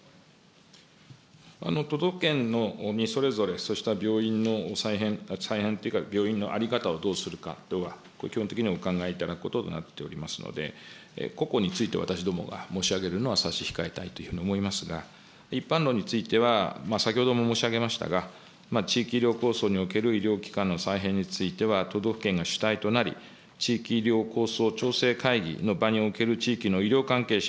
都道府県にそれぞれそうした病院に再編、再編というか病院の在り方をどうするかとは、基本的にお考えいただくこととなっておりますので、個々については私どもが申し上げるのは差し控えたいというふうに思いますが、一般論については、先ほども申し上げましたが、地域医療構想における医療機関の再編については、都道府県が主体となり、地域医療構想調整会議の場における地域の医療関係者、